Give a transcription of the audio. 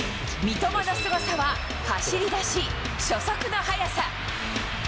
三笘のすごさは走りだし、初速の速さ。